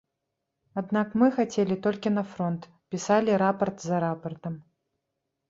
Аднак мы хацелі толькі на фронт, пісалі рапарт за рапартам.